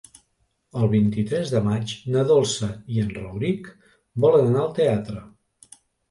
El vint-i-tres de maig na Dolça i en Rauric volen anar al teatre.